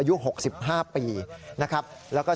พระขู่คนที่เข้าไปคุยกับพระรูปนี้